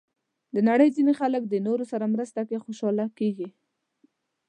د نړۍ ځینې خلک د نورو سره مرسته کې خوشحاله کېږي.